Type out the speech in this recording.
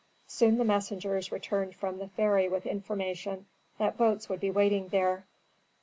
Soon the messengers returned from the ferry with information that boats would be waiting there.